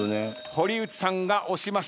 堀内さんが押しました。